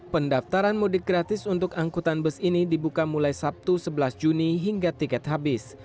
pendaftaran mudik gratis untuk angkutan bus ini dibuka mulai sabtu sebelas juni hingga tiket habis